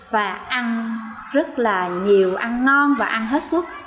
và ăn rất là nhiều ăn ngon và ăn hết suốt